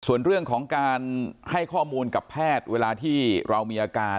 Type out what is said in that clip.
ส่วนเรื่องของการให้ข้อมูลกับแพทย์เวลาที่เรามีอาการ